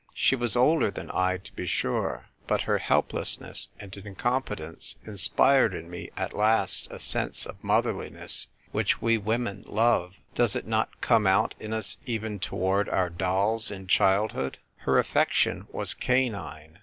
She was older than I to be sure ; but her helplessness and incom petence inspired in me at last that sense of motherliness which we women love — does it not come out in us even toward our dolls in childhood ? Her affection was canine.